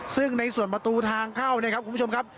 ซึ่งในส่วนประตูทางเข้านะครับ